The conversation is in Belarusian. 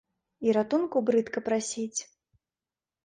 І ратунку брыдка прасіць.